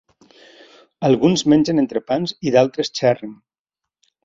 Alguns mengen entrepans i d'altres xerren.